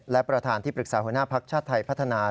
และประธานที่ปรึกษาหัวหน้าภักดิ์ชาติไทยพัฒนา